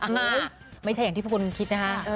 หือไม่ใช่อย่างที่คุณคิดนะคะ